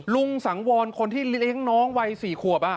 ลุงสังวรคนที่เลี้ยงน้องวัย๔ขวบ